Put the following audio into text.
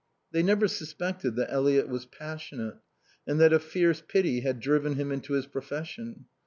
They never suspected that Eliot was passionate, and that a fierce pity had driven him into his profession.